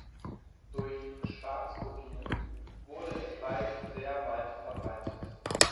Durch Schwarzkopien wurde es bald sehr weit verbreitet.